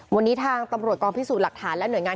วันนี้ทางตำรวจกองพิสูจน์หลักฐานและหน่วยงาน